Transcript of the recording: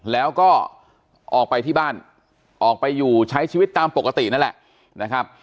แล้วก็ออกไปที่บ้านออกไปอยู่ใช้ชีวิตตามปกตินั่นแหละนะครับ